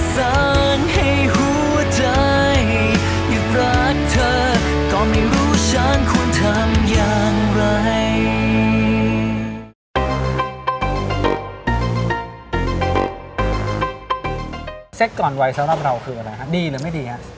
ก่อนวัยสำหรับเราคืออะไรครับดีหรือไม่ดีฮะ